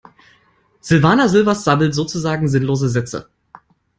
Silvana Sievers sabbelt sozusagen sinnlose Sätze.